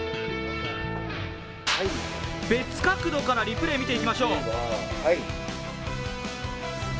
別角度からリプレー、見ていきましょう。